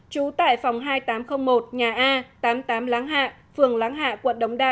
trú tại phòng hai nghìn tám trăm linh một nhà a tám mươi tám láng hạ phường láng hạ quận đống đa